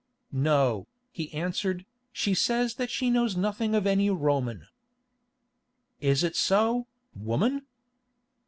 "No," he answered, "she says that she knows nothing of any Roman." "Is it so, woman?"